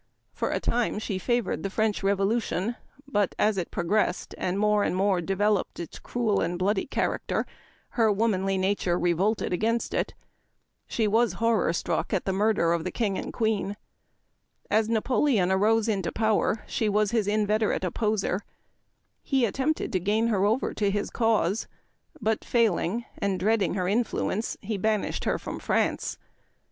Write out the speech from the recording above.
For a time she favored the French Revolution ; but as it progressed, and more and more developed its cruel and bloody character, her womanly nature revolted against it. She was horror struck at the murder of the King and Queen. As Xapoleon arose into power she was his inveterate opposer. He attempted to gain her over to his cause ; but failing, and dreading her influence, he banished her from France.